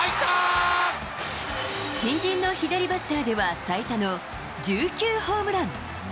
新人の左バッターでは最多の１９ホームラン。